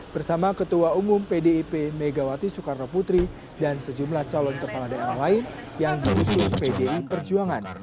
bersama ketua umum pdip megawati soekarno putri dan sejumlah calon kepala daerah lain yang diusung pdi perjuangan